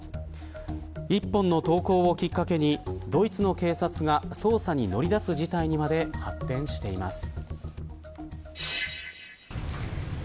一本の投稿をきっかけにドイツの警察が捜査に乗り出す事態にまで発展しています。